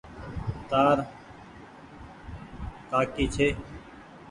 تآر ڪآڪي ڇي۔